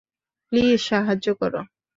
Please, সাহায্য করো!